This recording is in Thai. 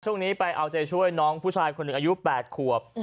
ช่วงนี้ไปเอาใจช่วยน้องผู้ชายคนหนึ่งอายุ๘ขวบ